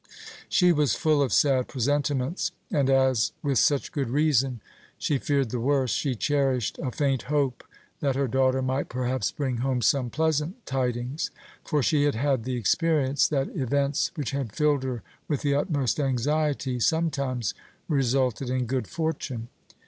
She was full of sad presentiments, and as, with such good reason, she feared the worst, she cherished a faint hope that her daughter might perhaps bring home some pleasant tidings; for she had had the experience that events which had filled her with the utmost anxiety sometimes resulted in good fortune.